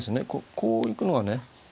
こう行くのがね